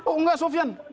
oh enggak sofyan